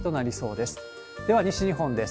では、西日本です。